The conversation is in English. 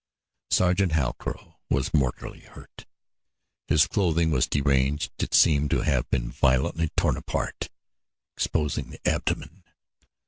Sergeant Halcrow was mortally hurt. His clothing was deranged; it seemed to have been violently torn apart, exposing the abdomen.